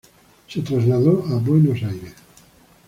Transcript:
Se trasladó a Buenos Aires.